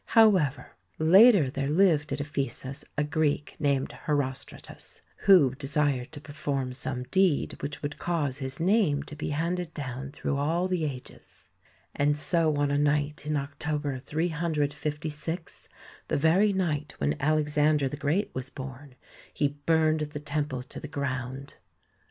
However, later there lived at Ephesus a Greek named Herostratus who desired to perform some deed which would cause his name to be handed down through all the ages, and so on a night in October, 356, the very night when Alexander the Great was born, he burned the temple to the ground.